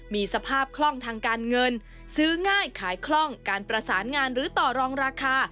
มีสภาพคล่องทางการเงินซื้อง่ายขายคล่องการประสานงานหรือต่อรองราคา